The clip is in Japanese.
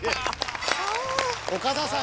岡田さん